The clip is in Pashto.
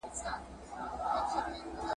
په ټولۍ کي به د زرکو واویلا وه !.